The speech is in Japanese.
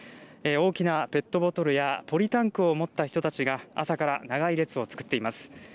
大きなペットボトルやポリタンクを持った人たちが朝から長い列を作っています。